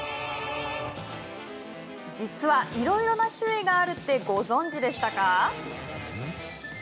実は、いろいろな種類があるってご存じでしたか？